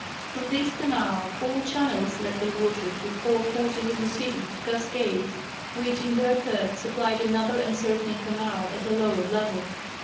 From this canal four channels led the water through four quarters of the city to cascades which in their turn supplied another encircling canal at a lower level.